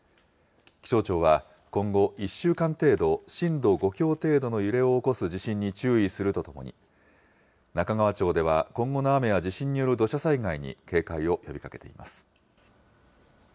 気象庁は、今後１週間程度、震度５強程度の揺れを起こす地震に注意するとともに、中川町では、今後の雨や地震による土砂災害に警戒を呼びかけています。